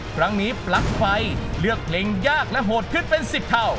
ครั้งนี้ปลั๊กไฟเลือกเพลงยากและโหดขึ้นเป็น๑๐เท่า